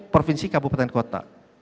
provinsi kabupaten kota